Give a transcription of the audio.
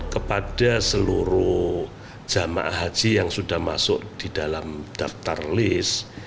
kepada seluruh jemaah haji yang sudah masuk di dalam daftar list